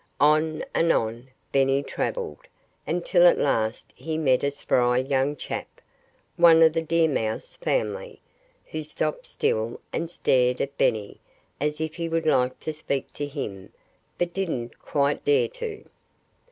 On and on Benny travelled, until at last he met a spry young chap one of the deer mouse family who stopped still and stared at Benny as if he would like to speak to him, but didn't quite dare to.